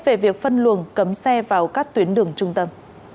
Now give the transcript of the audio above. về việc phân luồng cấm xe vào các tuyến đường trung tâm